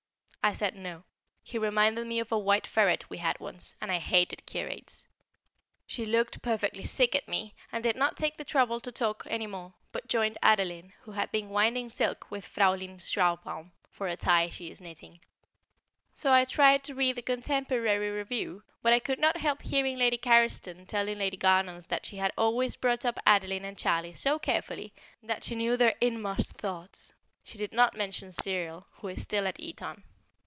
I said No; he reminded me of a white ferret we had once, and I hated curates. She looked perfectly sick at me and did not take the trouble to talk any more, but joined Adeline, who had been winding silk with Fräulein Schlarbaum for a tie she is knitting. So I tried to read the Contemporary Review, but I could not help hearing Lady Carriston telling Lady Garnons that she had always brought up Adeline and Charlie so carefully that she knew their inmost thoughts. (She did not mention Cyril, who is still at Eton.)